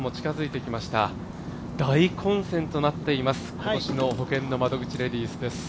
大混戦となっています、今年のほけんの窓口レディースです。